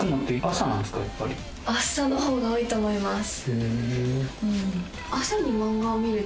朝のほうが多いと思います。